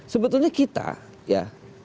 sebetulnya kita ya